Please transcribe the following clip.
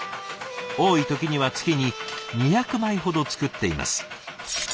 多い時には月に２００枚ほど作っています。